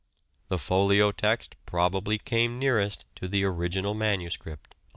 The Folio text probably came nearest to the original manuscript."